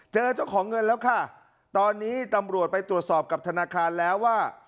เจอเจ้าของเงินแล้วค่ะตอนนี้ตำรวจไปตรวจสอบกับธนาคารแล้วว่า